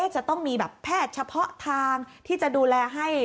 จะต้องมีแบบแพทย์เฉพาะทางที่จะดูแลให้